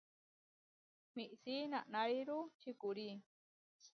Míʼsi nanániru čikúri.